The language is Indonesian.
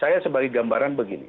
saya sebagai gambaran begini